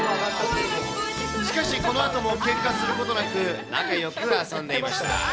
しかしこのあともけんかすることなく、仲よく遊んでいました。